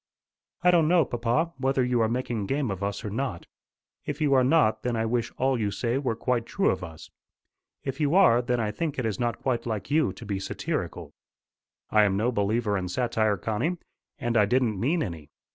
"I don't know, papa, whether you are making game of us or not. If you are not, then I wish all you say were quite true of us. If you are then I think it is not quite like you to be satirical." "I am no believer in satire, Connie. And I didn't mean any.